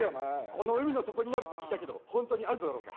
この海の底にあると聞いたけど、本当にあるのだろうか。